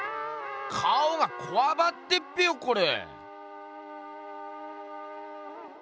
顔がこわばってっぺよコレ。